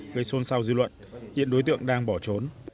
gây xôn xao dư luận hiện đối tượng đang bỏ trốn